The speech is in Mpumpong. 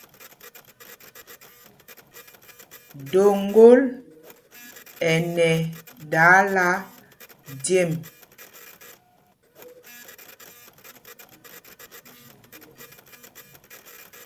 Doŋgǒl ɛ nɛ dáála jem.